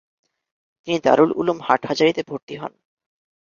তিনি দারুল উলুম হাটহাজারীতে ভর্তি হন।